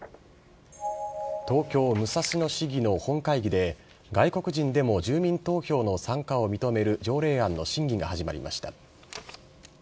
東京・武蔵野市議の本会議で、外国人でも住民投票の参加を認める条例案の審議が始まりました。